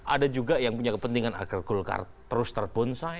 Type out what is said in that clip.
ada juga yang punya kepentingan agar golkar terus terbonsai